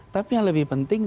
tapi yang lebih penting